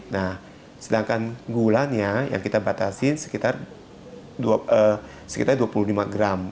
nah sedangkan gulanya yang kita batasi sekitar dua puluh lima gram